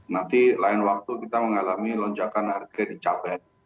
nanti lain waktu kita mengalami lonjakan harga di cabai